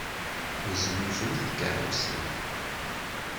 Nesnuzuy tikeṛṛusin.